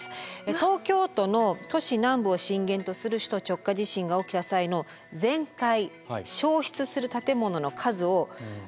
東京都の都市南部を震源とする首都直下地震が起きた際の全壊・焼失する建物の数を想定しているんですね。